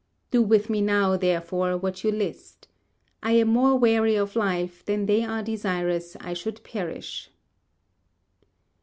Do with me now, therefore, what you list. I am more weary of life than they are desirous I should perish.